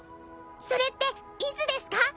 それっていつですか？